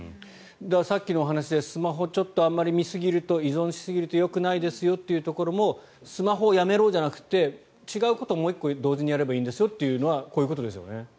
さっきのお話でスマホあまり見すぎると依存しすぎるとよくないですよというところもスマホをやめろじゃなくて違うことをもう１個同時にやればいいんですよというのはこういうことですよね。